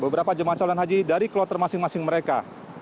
beberapa jemaah calon haji dari kloter masing masing mereka